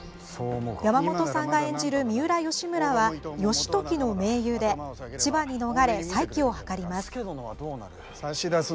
山本さんが演じる三浦義村は義時の盟友で千葉に逃れ再起を図ります。